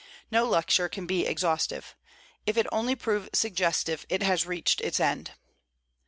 No lecture can be exhaustive. If it only prove suggestive, it has reached its end.